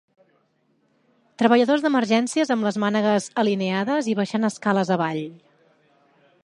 Treballadors d'emergències amb les mànegues alineades i baixant escales avall.